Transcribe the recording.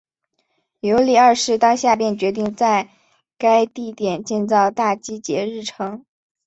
尤里二世当下便决定要在该地点建造大基捷日城。